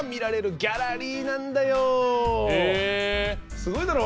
すごいだろ？